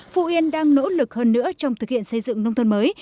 phú yên đang nỗ lực hơn nữa trong thực hiện xây dựng nông thôn mới